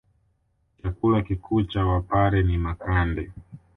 Chakula kikuu cha wpare ni makande